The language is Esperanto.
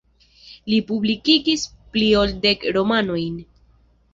Li publikigis pli ol dek romanojn.